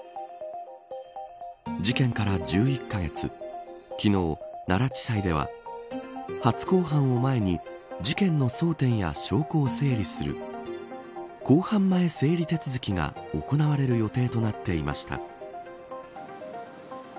事件から１１カ月昨日、奈良地裁では初公判を前に事件の争点や証拠を整理する公判前整理手続きが行われる予定となっていました。